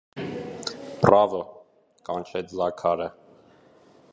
- Բռա՜վո,- կանչեց Զաքարը: